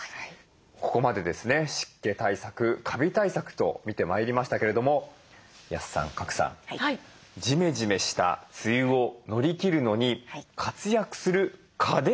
ここまでですね湿気対策カビ対策と見てまいりましたけれども安さん賀来さんジメジメした梅雨を乗り切るのに活躍する家電といえば？